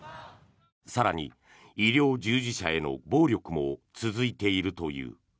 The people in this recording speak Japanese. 更に医療従事者への暴力も続いているという。